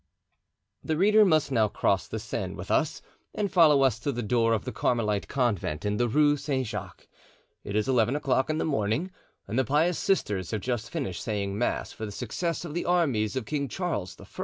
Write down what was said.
The reader must now cross the Seine with us and follow us to the door of the Carmelite Convent in the Rue Saint Jacques. It is eleven o'clock in the morning and the pious sisters have just finished saying mass for the success of the armies of King Charles I.